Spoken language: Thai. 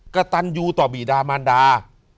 กระตันยูต่อบีดามันดา